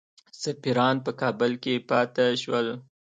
سفیران په کابل کې پاته شول.